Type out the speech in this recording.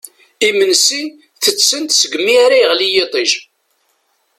Imensi tetten-t seg mi ara yeɣli yiṭij.